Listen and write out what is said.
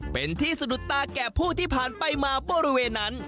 เป็นที่สะดุดตาแก่ผู้ที่ผ่านไปมาบริเวณนั้น